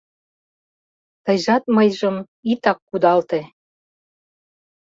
Тыйжат мыйжым итак кудалте